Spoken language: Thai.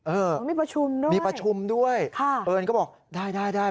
เออมีประชุมด้วยค่ะมีประชุมด้วยเอิญก็บอกได้